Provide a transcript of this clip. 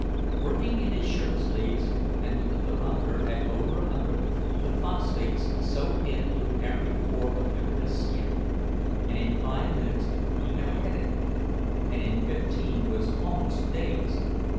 Working in his shirt sleeves, and with the thermometer at over a hundred, the phosphates soaked in through every pore of Jurgis' skin, and in five minutes he had a headache, and in fifteen was almost dazed.